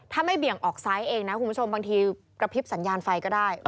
ถ้าไม่เบี่ยงออกซ้ายเองนะคุณผู้ชมบางทีกระพริบสัญญาณไฟก็ได้